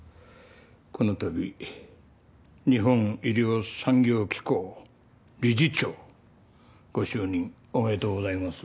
この度日本医療産業機構理事長ご就任おめでとうございます。